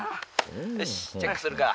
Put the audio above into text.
「よしチェックするか。